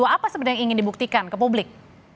apa sebenarnya yang ingin dibuktikan ke publik